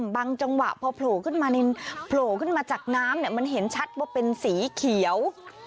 บางจังหวะพอโผล่ขึ้นมาจากน้ำมันเห็นชัดว่าเป็นสีเขียว